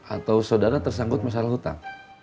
atau saudara tersangkut masalah hutang